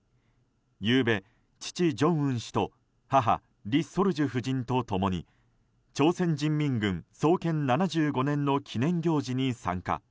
ゆうべ、父・正恩氏と母リ・ソルジュ夫人と共に朝鮮人民軍創建７５年の記念行事に参加。